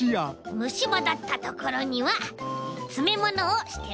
むしばだったところにはつめものをしておきましょうね。